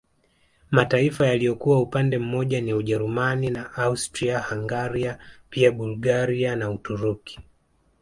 Mataifa yaliyokuwa upande mmoja ni Ujerumani na Austria Hungaria pia Bulgaria na Uturuki